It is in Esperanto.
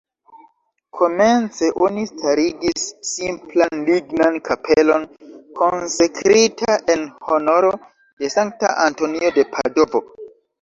Komence oni starigis simplan lignan kapelon konsekrita en honoro de Sankta Antonio de Padovo.